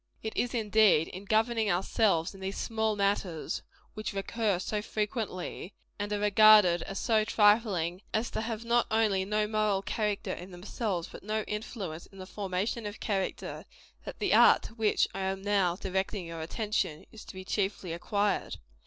It is, indeed, in governing ourselves in these small matters which recur so frequently, and are regarded as so trifling as to have not only no moral character in themselves, but no influence in the formation of character that the art to which I am now directing your attention, is to be chiefly acquired.